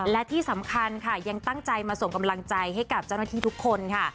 และที่สำคัญค่ะยังตั้งใจมาส่งกำลังใจให้กับเจ้าหน้าที่ทุกคนค่ะ